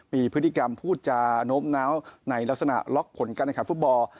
มีพฤติกรรมพูดจาโน้มน้าวในลักษณะล็อกผลการแข่งขันฟุตบอล